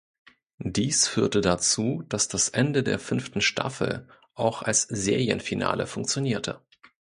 Dies führte dazu, dass das Ende der fünften Staffel auch als Serienfinale funktionierte.